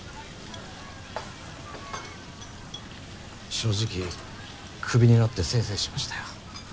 正直クビになってせいせいしましたよ。